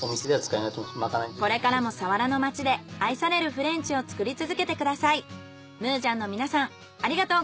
これからも佐原の町で愛されるフレンチを作り続けてください。